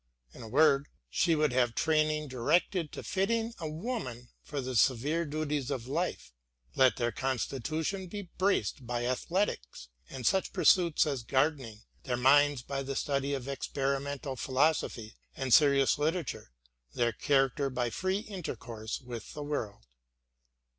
In a word, she would have training directed to fitting a woman for the severe duties of life — ^let their constitution be braced by athletics and such pursuits as gardening, their minds by the study of experimental philo sophy and serious literature, their character by free intercourse with the world.